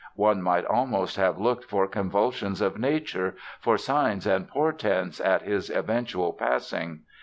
One might almost have looked for convulsions of nature, for signs and portents at his eventual passing.